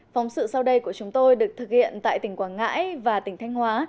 phóng sự sau đây của chúng tôi được thực hiện tại tỉnh quảng ngãi và tỉnh thanh hóa